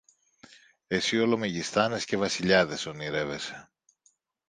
Εσύ όλο μεγιστάνες και βασιλιάδες ονειρεύεσαι